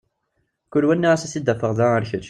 Kul wa nniɣ-as ad t-id-afeɣ da ar kečč.